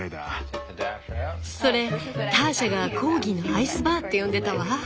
それターシャがコーギーのアイスバーって呼んでたわ。